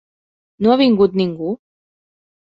No ha vingut ningú?